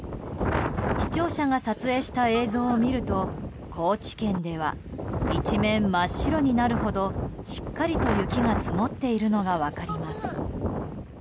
視聴者が撮影した映像を見ると高知県では一面真っ白になるほどしっかりと雪が積もっているのが分かります。